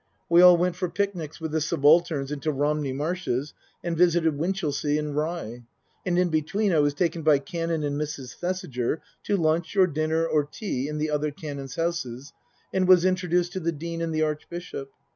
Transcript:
We all went for picnics with the subalterns into Romney Marshes and visited Win chelsea and Rye. And in between I was taken by Canon and Mrs. Thesiger to lunch or dinner or tea in the other Canons' houses, and was introduced to the Dean and the Archbishop.